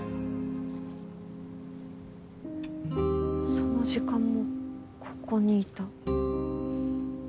その時間もここにいた。